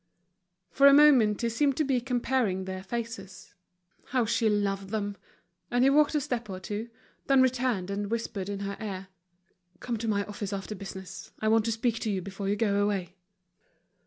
For a moment he seemed to be comparing their faces. How she loved them! And he walked a step or two; then returned and whispered in her ear: "Come to my office after business, I want to speak to you before you go away."